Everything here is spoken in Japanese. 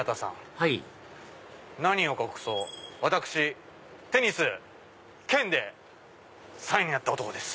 はい何を隠そう私テニス県で３位になった男です。